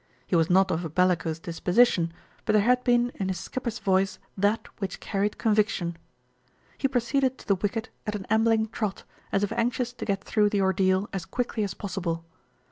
He was not of a bellicose disposi tion; but there had been in his skipper's voice that which carried conviction. He proceeded to the wicket at an ambling trot, as if anxious to get through the ordeal as quickly as possible.